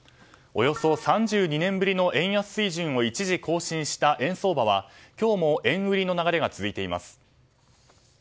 およそ３２年ぶりの円安水準を一時更新した円相場は今日も円売りの流れが続いています。